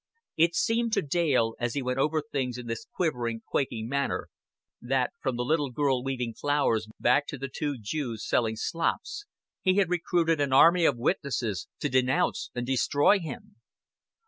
It seemed to Dale as he went over things in this quivering, quaking manner that, from the little girl weaving flowers back to the two Jews selling slops, he had recruited an army of witnesses to denounce and destroy him.